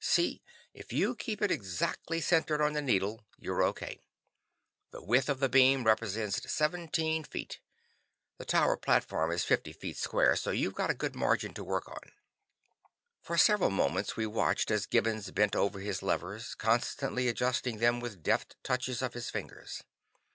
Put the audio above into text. See if you keep it exactly centered on the needle, you're O.K. The width of the beam represents seventeen feet. The tower platform is fifty feet square, so we've got a good margin to work on." For several moments we watched as Gibbons bent over his levers, constantly adjusting them with deft touches of his fingers.